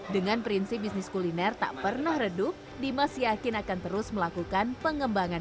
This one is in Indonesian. dengan prinsip bisnis kuliner tak pernah redup dimas yakin akan terus melakukan pengembangan